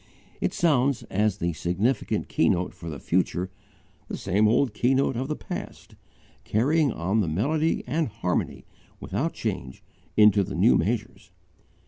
It sounds, as the significant keynote for the future, the same old keynote of the past, carrying on the melody and harmony, without change, into the new measures.